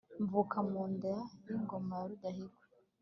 mvuka mu nda y'ingoma ya rudahigwa